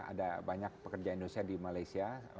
ada banyak pekerja indonesia di malaysia